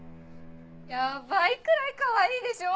ヤバいくらいかわいいでしょ？